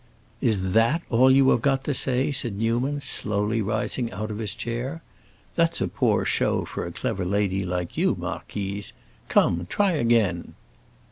"Is that all you have got to say?" asked Newman, slowly rising out of his chair. "That's a poor show for a clever lady like you, marquise. Come, try again."